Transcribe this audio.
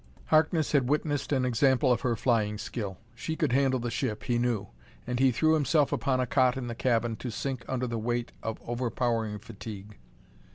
Harkness had witnessed an example of her flying skill; she could handle the ship, he knew. And he threw himself upon a cot in the cabin to sink under the weight of overpowering fatigue.